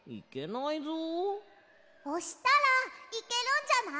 おしたらいけるんじゃない？